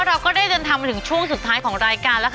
เราก็ได้เดินทางมาถึงช่วงสุดท้ายของรายการแล้วค่ะ